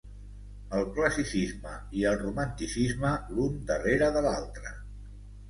El classicisme i el romanticisme l'un darrere de l'altre.